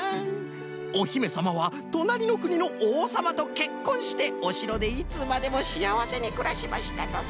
「おひめさまはとなりのくにのおうさまとけっこんしておしろでいつまでもしあわせにくらしましたとさ」。